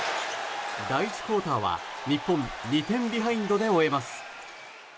第１クオーターは日本２点ビハインドで終えます。